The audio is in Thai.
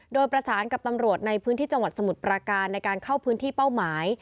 โดยประสานกับตำรวจในพื้นที่จังหวัดสมุทรปราการในการเข้าพื้นที่เป้าหมาย